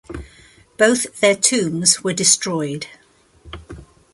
Both their tombs were destroyed.